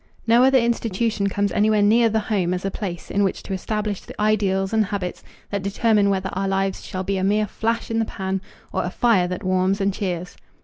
No other institution comes anywhere near the home as a place in which to establish the ideals and habits that determine whether our lives shall be a mere flash in the pan or a fire that warms and cheers.